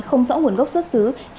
không rõ nguồn gốc xuất xứ